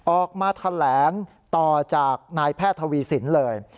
ออกมาแถลงต่อจากนายแพทย์ทวีสินเลย